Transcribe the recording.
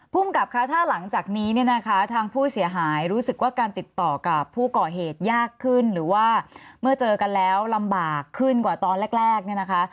ภูมิกับคะถ้าหลังจากนี้เนี่ยนะคะทางผู้เสียหายรู้สึกว่าการติดต่อกับผู้ก่อเหตุยากขึ้นหรือว่าเมื่อเจอกันแล้วลำบากขึ้นกว่าตอนแรกเนี่ยนะคะ